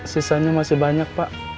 sisanya masih banyak pak